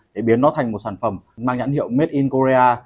để biến nó thành một sản phẩm mang nhãn hiệu made in korea